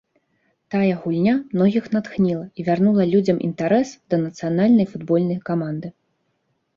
Тая гульня многіх натхніла і вярнула людзям інтарэс да нацыянальнай футбольнай каманды.